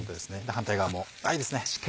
反対側もいいですね